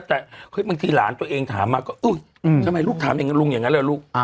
แต่เฮ้ยบางทีหลานตัวเองถามมาก็เอ้อทำไมลูกถามลุงอย่างนั้นแล้วลูก